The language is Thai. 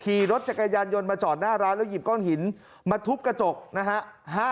ขี่รถจักรยานยนต์มาจอดหน้าร้านแล้วหยิบก้อนหินมาทุบกระจกนะฮะ